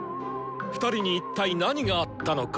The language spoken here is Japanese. ２人に一体何があったのか！